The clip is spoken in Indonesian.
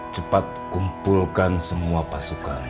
cepat kumpulkan semua pasukan